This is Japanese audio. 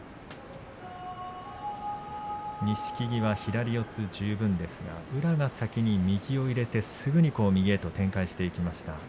錦木は左四つ十分ですが宇良が先に右を入れてすぐに右へと展開してきました。